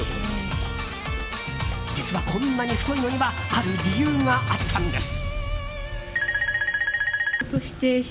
実は、こんなに太いのにはある理由があったんです。